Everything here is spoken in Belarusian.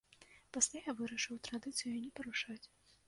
Пасля я вырашыў традыцыю не парушаць.